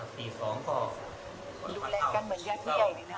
ปี๔๒ก็ดูแลกันเหมือนยักษ์เยี่ยม